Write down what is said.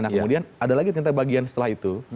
nah kemudian ada lagi tentang bagian setelah itu